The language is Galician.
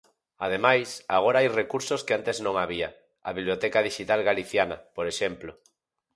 Ademais, agora hai recursos que antes non había: a biblioteca dixital Galiciana, por exemplo.